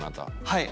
はい。